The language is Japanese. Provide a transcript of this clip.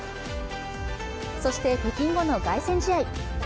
そして北京後の凱旋試合。